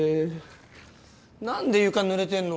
なんで床濡れてんの？